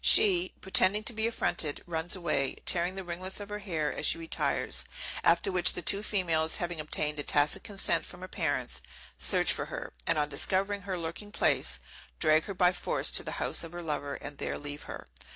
She, pretending to be affronted, runs away, tearing the ringlets of her hair as she retires; after which the two females, having obtained a tacit consent from her parents, search for her, and on discovering her lurking place, drag her by force to the house of her lover, and there leave her.